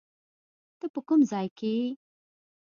په کوم ځای کې؟